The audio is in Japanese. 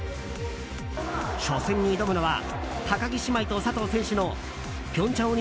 初戦に挑むのは高木姉妹と佐藤選手の平昌